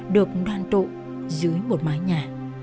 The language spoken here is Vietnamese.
được đoàn trộn dưới một mái nhà